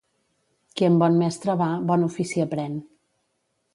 Qui amb bon mestre va, bon ofici aprèn.